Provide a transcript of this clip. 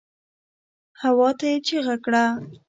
هواته يې چيغه کړه.